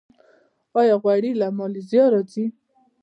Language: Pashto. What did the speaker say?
آیا غوړي له مالیزیا راځي؟